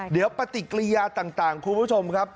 เดี๋ยวปฏิกิริยาต่างคุณผู้ชมครับ